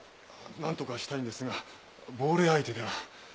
何とかしたいんですが亡霊相手では。